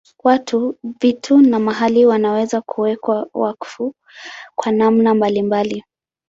Watu, vitu na mahali wanaweza kuwekwa wakfu kwa namna mbalimbali.